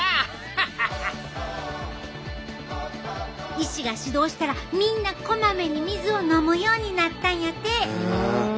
医師が指導したらみんなこまめに水を飲むようになったんやて。